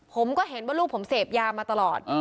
ผมก็เห็นว่าลูกผมเสพยามาตลอด